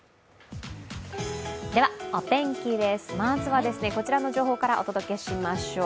お天気ですまずはこちらの情報からお届けしましょう。